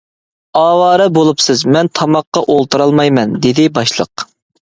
-ئاۋارە بولۇپسىز، مەن تاماققا ئولتۇرالمايمەن، -دېدى باشلىق.